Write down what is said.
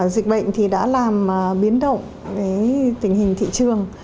dịch bệnh thì đã làm biến động về tình hình thị trường